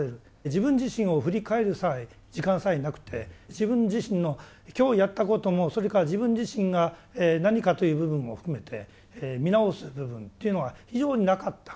自分自身を振り返る時間さえなくて自分自身の今日やったこともそれから自分自身が何かという部分も含めて見直す部分というのは非常になかった。